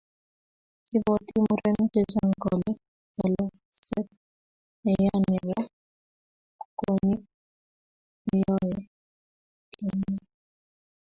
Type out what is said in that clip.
ibwoti murenik chechang kole kalokset neya nebo kwonyik neyoei keng'em